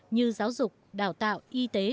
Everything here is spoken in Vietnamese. như giáo dục đào tạo y tế